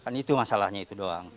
kan itu masalahnya itu doang